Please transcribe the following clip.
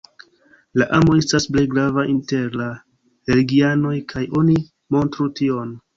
La amo estas plej grava inter la religianoj kaj oni montru tion.